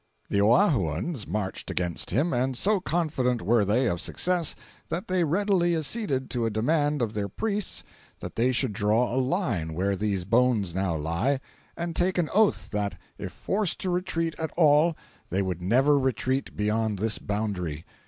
The Oahuans marched against him, and so confident were they of success that they readily acceded to a demand of their priests that they should draw a line where these bones now lie, and take an oath that, if forced to retreat at all, they would never retreat beyond this boundary.